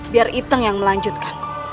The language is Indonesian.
biar iteng yang melanjutkan